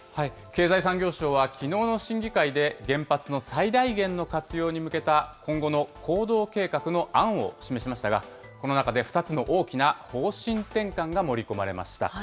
経済産業省はきのうの審議会で、原発の最大限の活用に向けた今後の行動計画の案を示しましたが、この中で２つの大きな方針転換が盛り込まれました。